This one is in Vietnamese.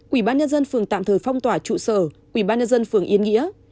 ủy ban nhân dân phường tạm thời phong tỏa trụ sở ủy ban nhân dân phường yên nghĩa